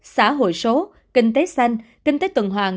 xã hội số kinh tế xanh kinh tế tuần hoàng